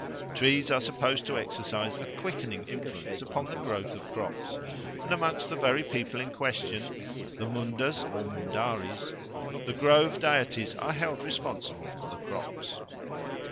Trees are supposed to exercise a quickening influence upon the growth of crops, and amongst the very people in question the Mundas or Mundaris "the grove deities are held responsible for the crops."